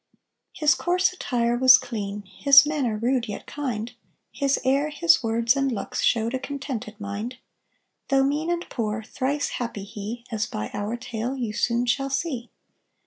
His coarse attire was clean, His manner rude yet kind: His air, his words, and looks Showed a contented mind; Though mean and poor, Thrice happy he, As by our tale You soon shall see.